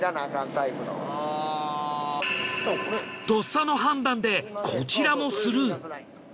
とっさの判断でこちらもスルー。